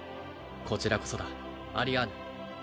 こちらこそだアリアーヌ